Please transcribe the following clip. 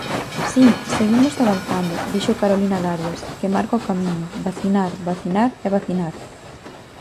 Si, seguimos avanzando, dixo Carolina Darias, que marca o camiño: vacinar, vacinar e vacinar.